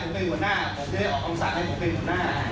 ก็ถามว่าใครต้องสั่งผมถามท่านบอกครับ